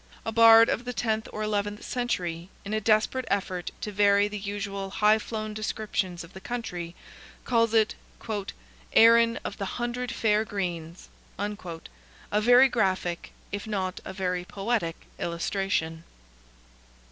A Bard of the tenth or eleventh century, in a desperate effort to vary the usual high flown descriptions of the country, calls it "Erin of the hundred fair greens,"—a very graphic, if not a very poetic illustration.